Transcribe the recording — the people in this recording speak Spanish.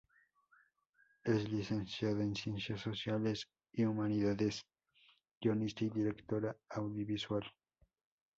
Es Licenciada en Ciencias Sociales y Humanidades, guionista y directora audiovisual.